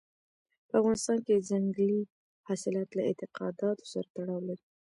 په افغانستان کې ځنګلي حاصلات له اعتقاداتو سره تړاو لري.